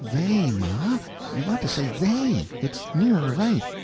"They, ma you ought to say they it's nearer right."